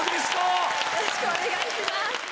よろしくお願いします。